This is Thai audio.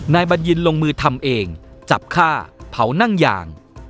บัญญินลงมือทำเองจับฆ่าเผานั่งยาง